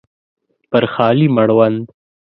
پر خالي مړوند